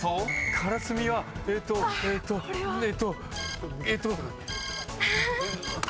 カラスミはえーっとえーっとえっと。